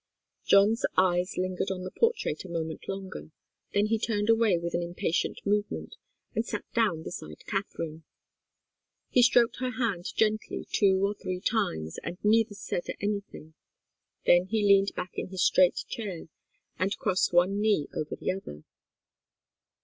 John's eyes lingered on the portrait a moment longer, then he turned away with an impatient movement, and sat down beside Katharine. He stroked her hand gently two or three times, and neither said anything. Then he leaned back in his straight chair and crossed one knee over the other.